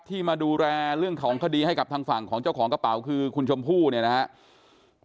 มาดูแลเรื่องของคดีให้กับทางฝั่งของเจ้าของกระเป๋าคือคุณชมพู่เนี่ยนะครับ